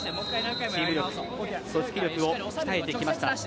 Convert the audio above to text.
チーム力、組織力を鍛えてきました。